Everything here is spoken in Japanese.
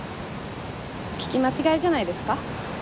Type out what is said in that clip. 聞き間違いじゃないですか？